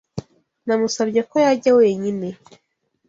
Namusabye ko yajya wenyine.